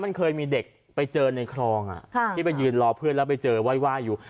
มันเคยมีเด็กไปเจอในคลองที่ไปยืนรอเพื่อนแล้วไปเจอไหว้อยู่